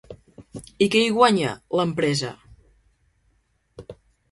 I què hi guanya, l’empresa?